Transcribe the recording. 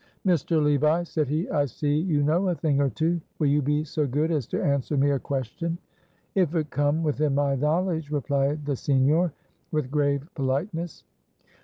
"Mr. Levi," said he, "I see you know a thing or two. Will you be so good as to answer me a question?" "If it come within my knowledge," replied the senior, with grave politeness.